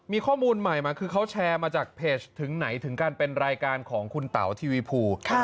มีข้อมูลใหม่มาคือเขาแชร์มาจากเพจถึงไหนถึงการเป็นรายการของคุณเต๋าทีวีภู